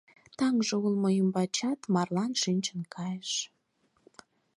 Таҥже улмо ӱмбачат марлан шинчын кайыш...